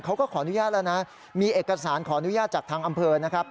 เขาก็ขออนุญาตแล้วนะมีเอกสารขออนุญาตจากทางอำเภอนะครับ